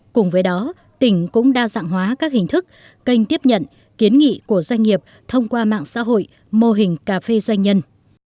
cùng với đó tỉnh cũng đa dạng hóa các hình thức kênh tiếp nhận kiến nghị của doanh nghiệp thông qua mạng xã hội mô hình cà phê doanh nhân